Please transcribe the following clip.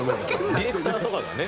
ディレクターとかがね。